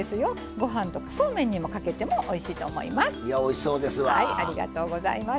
ご飯とか、そうめんにかけてもおいしいと思います。